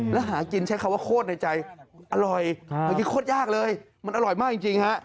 แล้วหากินใช้คำว่าโคตรในใจอร่อยเมื่อกี้โคตรยากเลยมันอร่อยมากจริงฮะ